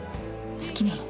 好きなの？